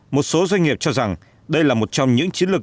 một số doanh nghiệp cho rằng đây là một trong những chiến lược